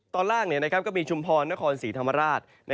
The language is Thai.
ตอนล่างก็มีชุมพรนครศรีธรรมราช